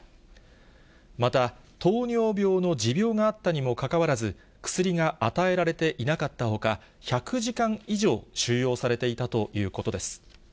また糖尿病の持病があったにもかかわらず、薬が与えられていなかったほか、１００時間以上、収容されていたということです。